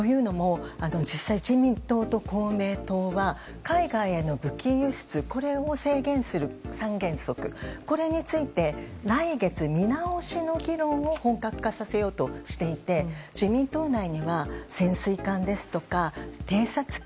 実際に自民党と公明党は海外への武器輸出を制限する３原則、これについて来月見直しの議論を本格化させようとしていて自民党内には潜水艦とか偵察機